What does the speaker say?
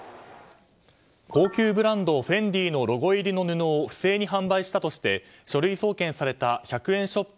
高級ブランドフェンディーのロゴ入りの布を不正に販売したとして書類送検された１００円ショップ